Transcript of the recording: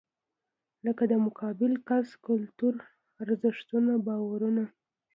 لکه د مقابل کس کلتور، ارزښتونه، باورونه .